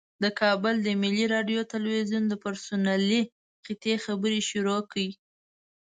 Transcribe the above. د کابل د ملي راډیو تلویزیون د پرسونلي قحطۍ خبرې شروع کړې.